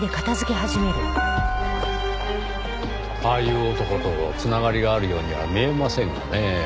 ああいう男と繋がりがあるようには見えませんがねぇ。